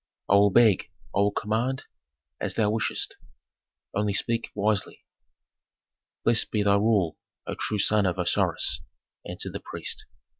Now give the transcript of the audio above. "I will beg, I will command, as thou wishest. Only speak wisely." "Blessed be thy rule, O true son of Osiris," answered the priest.